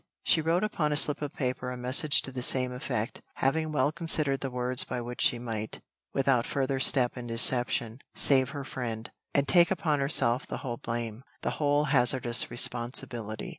She wrote upon a slip of paper a message to the same effect, having well considered the words by which she might, without further step in deception, save her friend, and take upon herself the whole blame the whole hazardous responsibility.